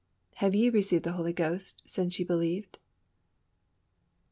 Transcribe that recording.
"HAVE YE RECEIVED THE HOLY GHOST SINCE YE BELIEVED?"